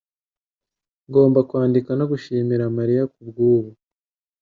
Ngomba kwandika no gushimira Mariya kubwubu